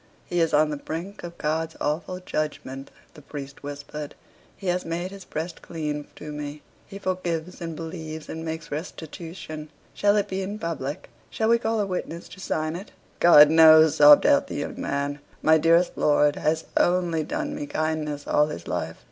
"He is on the brink of God's awful judgment," the priest whispered. "He has made his breast clean to me. He forgives and believes, and makes restitution. Shall it be in public? Shall we call a witness to sign it?" "God knows," sobbed out the young man, "my dearest lord has only done me kindness all his life."